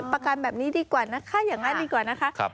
ประกันแบบนี้ดีกว่านะคะอย่างนั้นดีกว่านะคะ